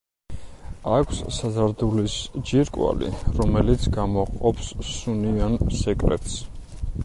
აქვს საზარდულის ჯირკვალი, რომელიც გამოჰყოფს სუნიან სეკრეტს.